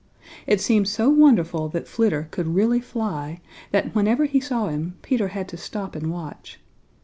It seemed so wonderful that Flitter could really fly, that whenever he saw him, Peter had to stop and watch.